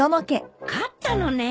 勝ったのね？